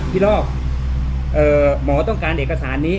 พี่ลอกเอ่อหมอต้องการเอกสารนี้